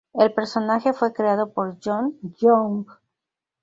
El personaje fue creado por John Young.